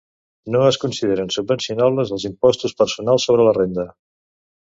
No es consideren subvencionables els impostos personals sobre la renda.